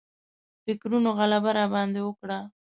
فکرونو غلبه راباندې وکړه.